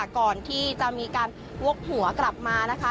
ก่อนที่จะมีการวกหัวกลับมานะคะ